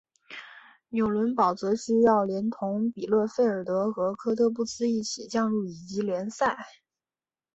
纽伦堡则需要连同比勒费尔德和科特布斯一起降入乙级联赛。